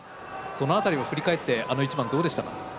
そのあたりを振りかえってあの一番どうでしたか？